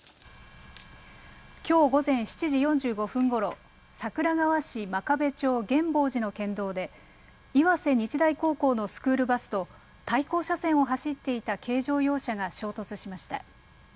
きょう午前７時４５分ごろ桜川市真壁町源法寺の県道で岩瀬日大高校のスクールバスと対向車線を走っていた軽乗用車が衝突しました。